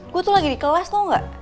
gue tuh lagi di kelas tuh gak